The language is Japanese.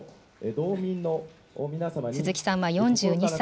鈴木さんは４２歳。